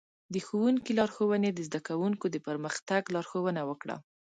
د ښوونکي لارښوونې د زده کوونکو د پرمختګ لارښوونه وکړه.